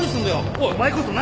おい。